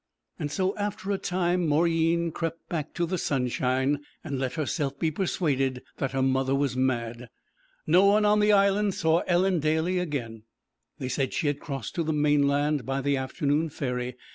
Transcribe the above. So after a time Mauryeen crept back to the sunshine, and let herself be persuaded that her mother was mad. No one on the Island saw Ellen Daly again; they said she had crossed to the mainland by the afternoon ferry.